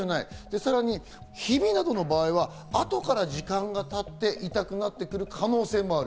さらにひびなどの場合は後から時間が経って痛くなってくる可能性もある。